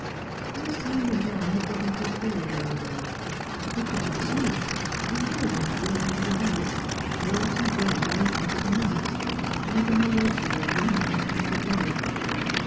But as time went on he got into a very low way. He could not sleep — he was al ways roaming about — wrote and read late into the night — led an irregular, rambling kind of life.